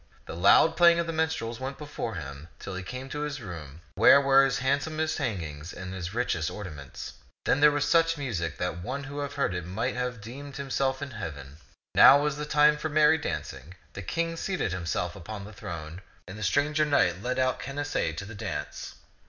The loud playing of the minstrels went before him till he came to his room where were his handsomest hangings and his richest ornaments. Then there was such music that one who heard it might well have deemed himself in heaven. Now was the time for the merry dancing. The King seated himself upon his throne, and the stranger knight 172 ^^e ^<:)um'0 €ak led out Canacee to the dance.